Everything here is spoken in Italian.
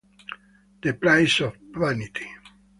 The Price of Vanity